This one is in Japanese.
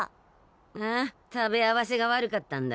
ああ食べ合わせが悪かったんだ。